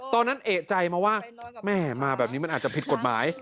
เอกใจมาว่าแม่มาแบบนี้มันอาจจะผิดกฎหมาย